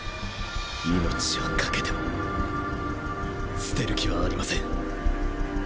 命は懸けても捨てる気はありません。